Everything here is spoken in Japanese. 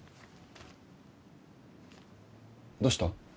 どうした？